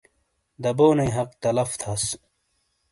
دبونئیی حق تلف تھاس۔